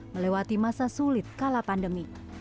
melewati masa sulit kala pandemi